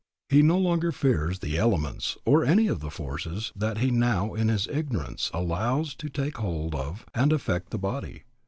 He no longer fears the elements or any of the forces that he now in his ignorance allows to take hold of and affect the body.